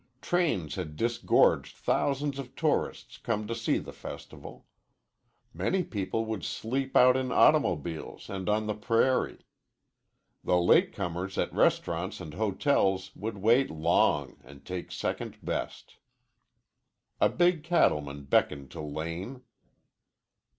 Trains had disgorged thousands of tourists come to see the festival. Many people would sleep out in automobiles and on the prairie. The late comers at restaurants and hotels would wait long and take second best. A big cattleman beckoned to Lane.